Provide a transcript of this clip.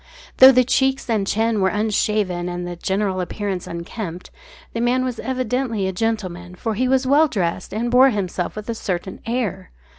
Though the cheeks and chin were unshaven and the general appearance unkempt, the man was evidently a gentleman, for he was well dressed and bore himself with a certain air.